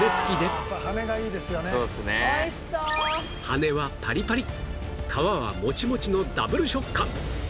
羽根はパリパリ皮はモチモチのダブル食感